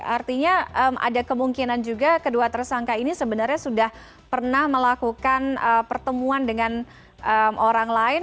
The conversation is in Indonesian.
artinya ada kemungkinan juga kedua tersangka ini sebenarnya sudah pernah melakukan pertemuan dengan orang lain